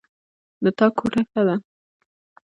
د تا کوټه ښه ده